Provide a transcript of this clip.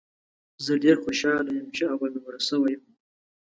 زه ډېر خوشاله یم ، چې اول نمره سوی یم